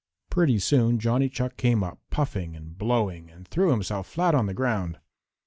Pretty soon Johnny Chuck came up, puffing and blowing, and threw himself flat on the ground.